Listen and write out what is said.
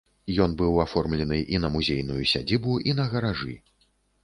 Ён быў аформлены і на музейную сядзібу, і на гаражы.